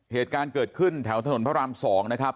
เหตุการณ์เกิดขึ้นแถวถนนพระราม๒นะครับ